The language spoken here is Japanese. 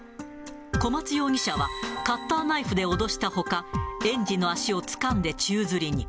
小松容疑者はカッターナイフで脅したほか、園児の足をつかんで宙づりに。